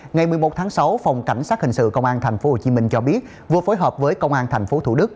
ngày một mươi một tháng sáu phòng cảnh sát hình sự công an tp hcm cho biết vừa phối hợp với công an tp thủ đức